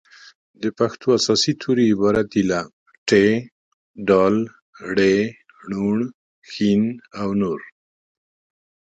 د پښتو اساسي توري عبارت دي له : ټ ډ ړ ڼ ښ او نور